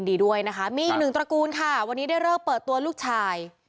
ด้วยนะคะมีหนึ่งตระกูลค่ะวันนี้เริ่มเปิดตัวลูกชาย